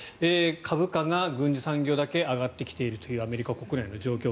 株価が軍需産業だけ上がってきているというアメリカ国内の状況